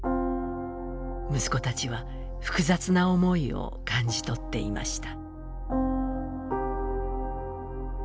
息子たちは複雑な思いを感じ取っていました。